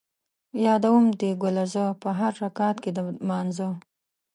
یادوم دې ګله زه ـ په هر رکعت کې د لمانځه